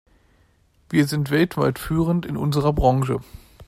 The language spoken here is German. Wir sind weltweit führend in unserer Branche.